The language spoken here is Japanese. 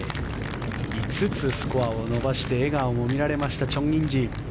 ５つスコアを伸ばして笑顔も見られましたチョン・インジ。